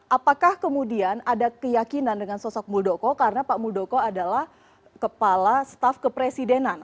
apakah kemudian ada keyakinan dengan sosok muldoko karena pak muldoko adalah kepala staf kepresidenan